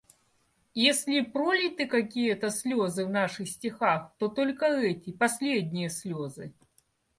Если и пролиты какие-то слёзы в наших стихах, то только эти, последние слёзы.